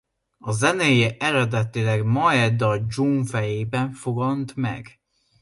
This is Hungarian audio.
A zenéje eredetileg Maeda Dzsun fejében fogant meg.